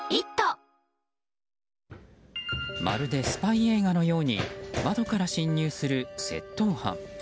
まるでスパイ映画のように窓から侵入する窃盗犯。